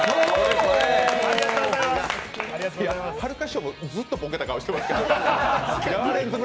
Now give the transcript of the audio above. はるか師匠もずっとボケた顔してますから。